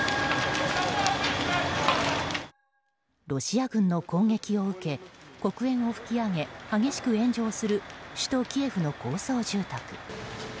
ロシア軍の攻撃を受け黒煙を噴き上げ激しく炎上する首都キエフの高層住宅。